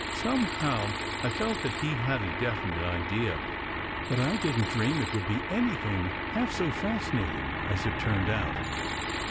Somehow, I felt that he had had a definite idea, but I didn t dream it would be any thing half so fascinating as it turned out.